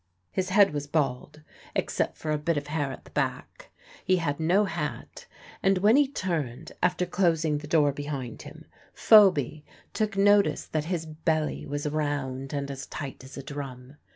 His head was bald, except for a bit of hair at the back; he had no hat; and when he turned, after closing the door behind him, Phoby took notice that his belly was round and as tight as a drum.